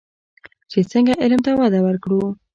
چې څنګه علم ته وده ورکړو.